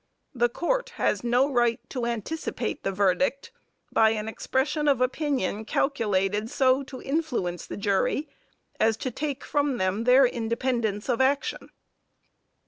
The Court has no right to anticipate the verdict by an expression of opinion calculated so to influence the jury as to take from them their independence of action."